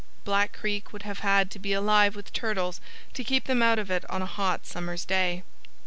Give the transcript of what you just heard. Black Creek would have had to be alive with turtles to keep them out of it on a hot summer's day.